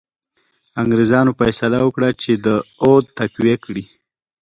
انګرېزانو فیصله وکړه چې اود تقویه کړي.